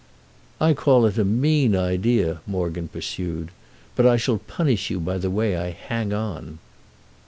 "I call it a mean idea," Morgan pursued. "But I shall punish you by the way I hang on."